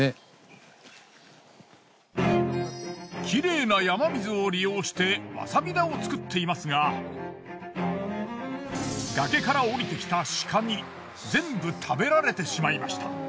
きれいな山水を利用してワサビ田を作っていますが崖から降りてきた鹿に全部食べられてしまいました。